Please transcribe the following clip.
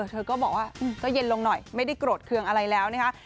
เธอก็บอกว่าก็เย็นลงหน่อยไม่ได้โกรธเครื่องอะไรแล้วนะคะ